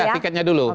iya tiketnya dulu